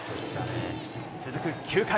続く９回。